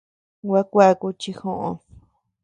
Gua kuaku chi joʼód.